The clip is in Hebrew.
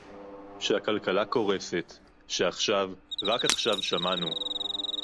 שהכלכלה קורסת, שעכשיו, רק עכשיו שמענו